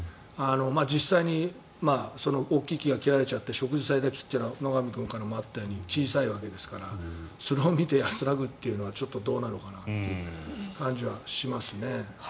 実際に大きい木が切られちゃって植樹される木は野上君からもあったように小さいわけですからそれを見て安らぐというのはちょっとどうなのかなという感じはしますね。